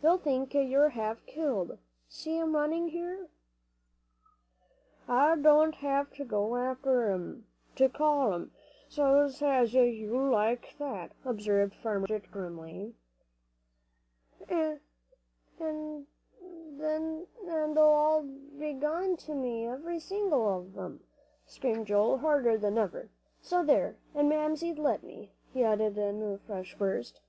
They'll think you're half killed. See 'em running here." "I don't have to go after 'em, to call 'em, s'long as you yell like that," observed Farmer Blodgett, grimly. "An' they all b'long to me, every single one of 'em," screamed Joel, harder than ever, "so there! an' Mamsie'd let me," he added in a fresh burst.